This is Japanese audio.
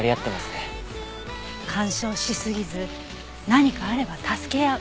干渉しすぎず何かあれば助け合う。